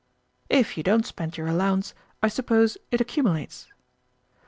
"If you don't spend your allowance, I suppose it accumulates?"